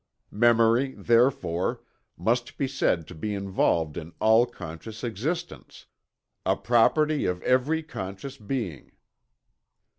Memory, therefore, may be said to be involved in all conscious existence a property of every conscious being!"